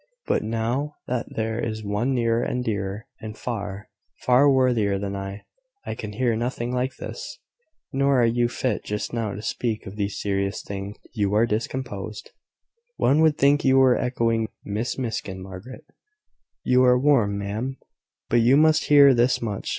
But now that there is one nearer and dearer, and far, far worthier than I, I can hear nothing like this. Nor are you fit just now to speak of these serious things: you are discomposed " "One would think you were echoing Miss Miskin, Margaret, `You are warm, ma'am.' But you must hear this much.